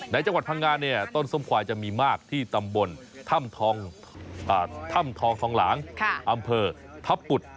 จังหวัดพังงานเนี่ยต้นส้มควายจะมีมากที่ตำบลถ้ำทองทองหลางอำเภอทัพปุด